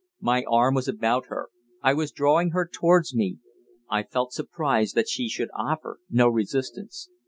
My arm was about her; I was drawing her towards me. I felt surprise that she should offer no resistance.